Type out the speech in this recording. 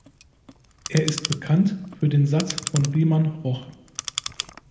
Er ist bekannt für den Satz von Riemann-Roch.